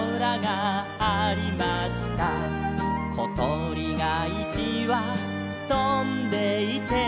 「ことりがいちわとんでいて」